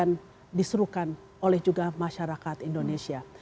menjadi sebagian disuruhkan oleh juga masyarakat indonesia